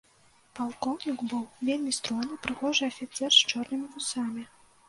Палкоўнік быў вельмі стройны, прыгожы афіцэр з чорнымі вусамі.